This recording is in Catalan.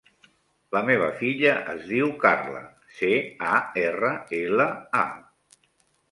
La meva filla es diu Carla: ce, a, erra, ela, a.